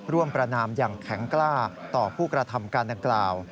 ประนามอย่างแข็งกล้าต่อผู้กระทำการดังกล่าว